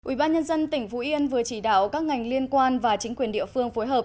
ủy ban nhân dân tỉnh phú yên vừa chỉ đạo các ngành liên quan và chính quyền địa phương phối hợp